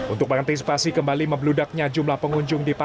untuk mengantisipasi kembali membeludaknya jumlah pengunjung dipadam